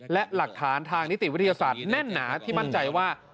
และหลักฐานทางนิติวิทยาศาสตร์แน่นหนาที่มั่นใจว่า